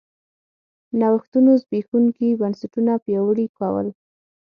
نوښتونو زبېښونکي بنسټونه پیاوړي کول